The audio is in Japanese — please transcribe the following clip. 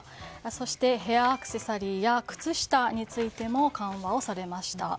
そして、ヘアアクセサリーや靴下についても緩和をされました。